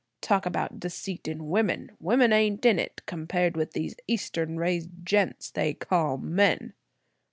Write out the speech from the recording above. Talk about deceit in women! Women ain't in it compared with these Eastern raised gents they call men!"